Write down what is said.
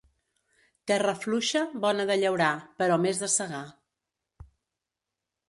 Terra fluixa, bona de llaurar, però més de segar.